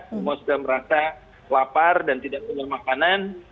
semua sudah merasa lapar dan tidak punya makanan